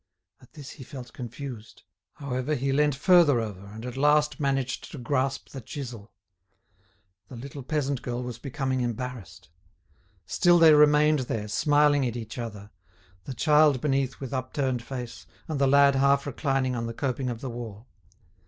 At this he felt confused; however, he leant further over, and at last managed to grasp the chisel. The little peasant girl was becoming embarrassed. Still they remained there, smiling at each other, the child beneath with upturned face, and the lad half reclining on the coping of the wall.